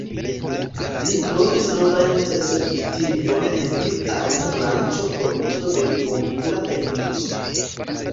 Li trovis novan perspektivon en tiu arta branĉo pro uzo de komputila tekniko.